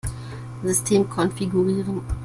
System konfigurieren.